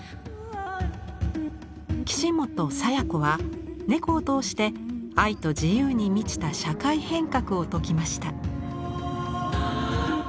岸本清子は猫を通して愛と自由に満ちた社会変革を説きました。